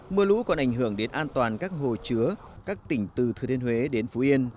mưa lũ còn ảnh hưởng đến an toàn các hồ chứa các tỉnh từ thừa thiên huế đến phú yên